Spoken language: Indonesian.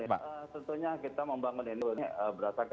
ya tentunya kita membangun ini berdasarkan